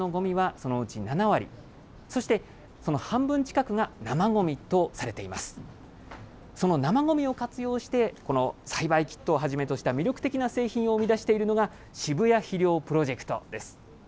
その生ごみを活用して、この栽培キットをはじめとした魅力的な製品を生み出しているのが、渋谷肥料プロジェクトです。